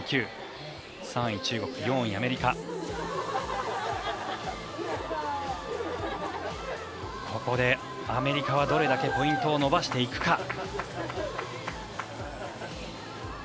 位、中国４位、アメリカここでアメリカはどれだけポイントを伸ばしていくか。